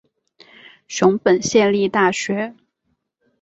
熊本县立大学